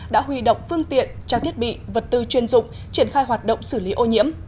đã huy động phương tiện trang thiết bị vật tư chuyên dụng triển khai hoạt động xử lý ô nhiễm